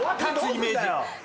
イメージね。